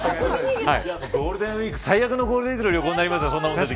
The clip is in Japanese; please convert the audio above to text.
最悪のゴールデンウイークの旅行になりますよ。